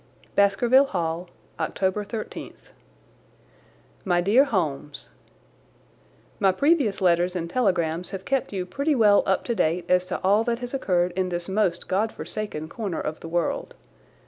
Baskerville Hall, October 13th. MY DEAR HOLMES, My previous letters and telegrams have kept you pretty well up to date as to all that has occurred in this most God forsaken corner of the world.